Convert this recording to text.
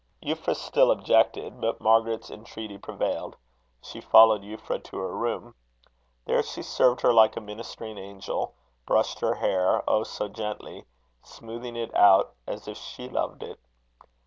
Euphra still objected, but Margaret's entreaty prevailed. She followed Euphra to her room. There she served her like a ministering angel; brushed her hair oh, so gently! smoothing it out as if she loved it.